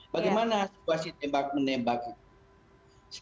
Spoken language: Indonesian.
bagaimana situasi tembak menembak itu